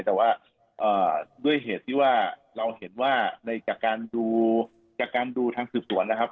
แต่ว่าด้วยเหตุที่ว่าเราเห็นว่าในการดูทางศึกษวนนะครับ